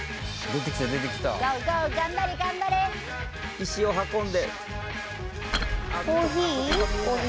石を運んで。